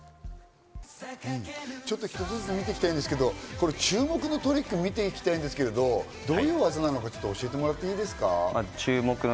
ちょっと一つずつ見ていきたいんですけど、注目のトリックを見ていきたいんですけど、どういう技なのか、教えてもらっていいですか？